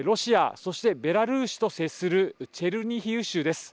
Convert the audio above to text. そして、ベラルーシと接するチェルニヒウ州です。